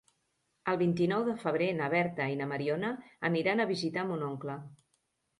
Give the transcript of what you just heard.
El vint-i-nou de febrer na Berta i na Mariona aniran a visitar mon oncle.